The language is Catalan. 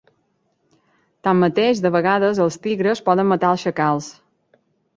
Tanmateix de vegades els tigres poden matar els xacals.